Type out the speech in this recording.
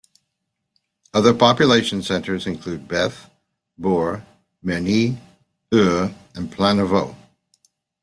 Other population centers include: Beth, Bour, Merny, Our, and Plainevaux.